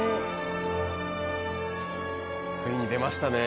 ついに出ましたね